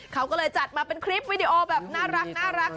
เขาก็เลยจัดมาเป็นคลิปวิดีโอแบบน่ารัก